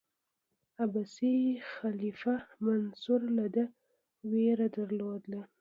عباسي خلیفه منصور له ده ویره درلوده.